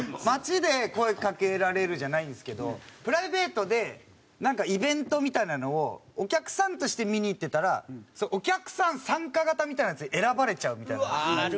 街で声かけられるじゃないんですけどプライベートでなんかイベントみたいなのをお客さんとして見に行ってたらお客さん参加型みたいなやつに選ばれちゃうみたいな。